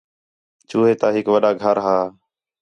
چوہے تا ہِک وݙّا گھر ہا